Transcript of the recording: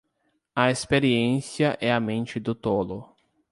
A experiência é a mente do tolo.